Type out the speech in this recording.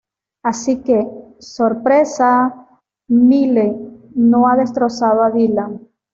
Así que… sorpresa: Miley no ha destrozado a Dylan.